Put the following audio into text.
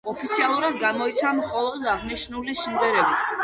ოფიციალურად გამოიცა მხოლოდ აღნიშნული სიმღერები.